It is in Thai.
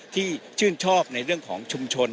ที่ชื่นชอบในเรื่องของชุมชน